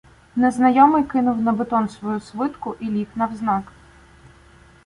Незнайомий кинув на бетон свою свитку і ліг навзнак.